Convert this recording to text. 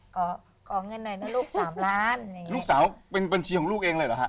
ขอขอเงินหน่อยนะลูกสามล้านอย่างลูกสาวเป็นบัญชีของลูกเองเลยเหรอฮะ